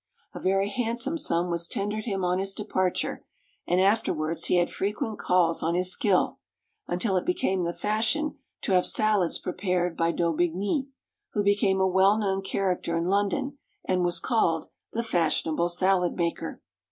A very handsome sum was tendered him on his departure, and afterwards he had frequent calls on his skill, until it became the fashion to have salads prepared by d'Aubigny, who became a well known character in London, and was called "the fashionable salad maker."